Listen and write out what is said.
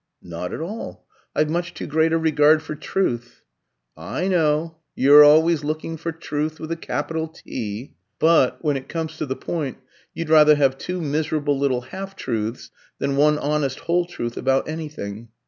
'" "Not at all. I've much too great a regard for truth." "I know. You're always looking for Truth, with a capital T; but, when it comes to the point, you'd rather have two miserable little half truths than one honest whole truth about anything.